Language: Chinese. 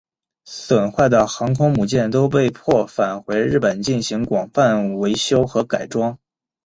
损坏的航空母舰都被迫返回日本进行广泛维修和改装。